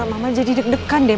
mama mama jadi deg degan deh